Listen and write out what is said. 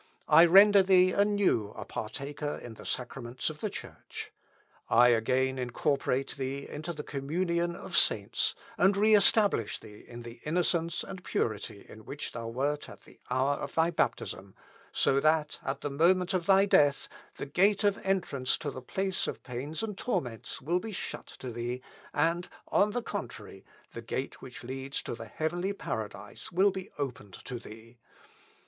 I render thee anew a partaker in the sacraments of the church. I again incorporate thee into the communion of saints, and re establish thee in the innocence and purity in which thou wert at the hour of thy baptism; so that, at the moment of thy death, the gate of entrance to the place of pains and torments will be shut to thee, and, on the contrary, the gate which leads to the heavenly paradise, will be opened to thee.